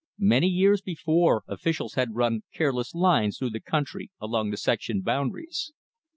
Many years before, officials had run careless lines through the country along the section boundaries.